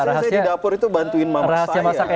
biasanya di dapur itu bantuin mamak saya